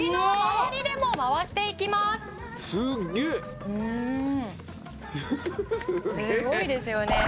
「すごいですよね」